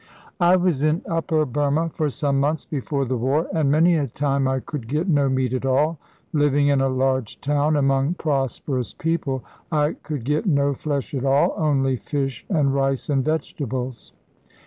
I was in Upper Burma for some months before the war, and many a time I could get no meat at all. Living in a large town among prosperous people, I could get no flesh at all, only fish and rice and vegetables.